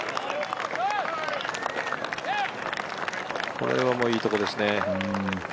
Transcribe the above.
これはいいところですね。